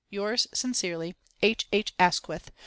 Yours sincerely, H. H. ASQUITH.